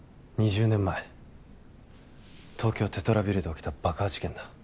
２０年前東京テトラビルで起きた爆破事件だ。